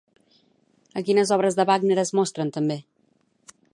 A quines obres de Wagner es mostren també?